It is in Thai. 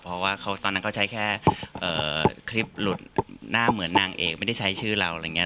เพราะว่าตอนนั้นก็ใช้แค่คลิปหลุดหน้าเหมือนนางเอกไม่ได้ใช้ชื่อเราอะไรอย่างนี้